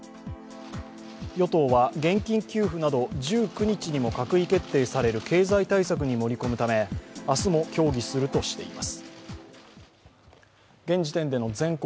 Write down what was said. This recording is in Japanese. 与党は現金給付など１９日にも閣議決定される経済対策に盛り込むため明日も協議するとしています。